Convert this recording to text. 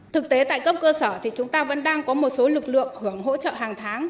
thực tế tại cấp cơ sở thì chúng ta vẫn đang có một số lực lượng hưởng hỗ trợ hàng tháng